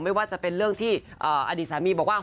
ไม่ว่าจะเป็นที่อดีตสามีบอกว่า